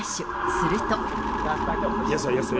すると。